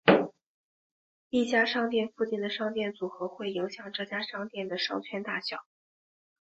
一家商店附近的商店组合会影响这家商店的商圈大小。